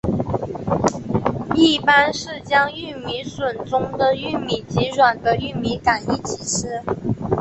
一般是将玉米笋中的玉米及软的玉米秆一起吃。